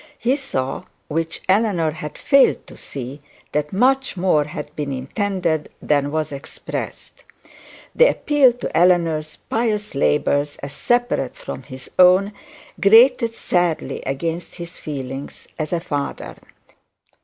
He saw, which Eleanor had failed to see, that much more had been intended than was expressed. The appeal to Eleanor's pious labours as separate from his own grated sadly against his feelings as a father.